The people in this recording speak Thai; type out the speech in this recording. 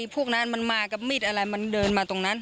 พวกนั้นมันมากับมีดอะไรมันเดินมาตรงนั้น